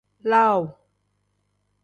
Laaw.